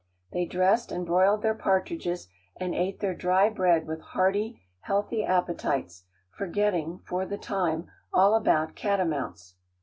They dressed and broiled their partridges, and ate their dry bread with hearty, healthy appetites, forgetting, for the time, all about catamounts.